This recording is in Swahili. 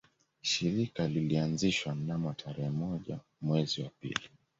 Shirika lilianzishwa mnamo tarehe moja mwezi wa pili